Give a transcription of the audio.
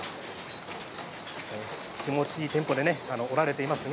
気持ちいいテンポで織られています。